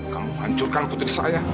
kamu hancurkan putri saya